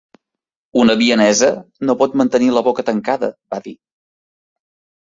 "Una vienesa no pot mantenir la boca tancada", va dir.